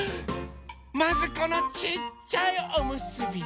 まずこのちっちゃいおむすび。